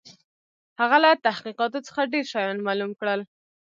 هغه له تحقیقاتو څخه ډېر شيان معلوم کړل.